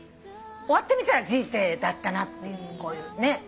終わってみたら人生だったなっていうこういうねえ。